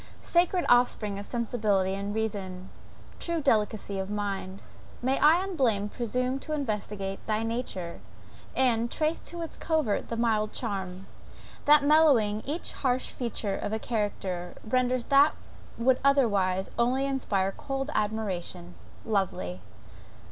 Sacred offspring of sensibility and reason! true delicacy of mind! may I unblamed presume to investigate thy nature, and trace to its covert the mild charm, that mellowing each harsh feature of a character, renders what would otherwise only inspire cold admiration lovely!